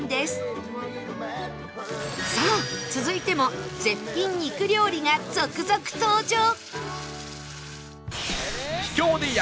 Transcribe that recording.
さあ続いても絶品肉料理が続々登場！